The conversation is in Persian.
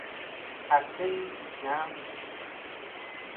خستهای، نه؟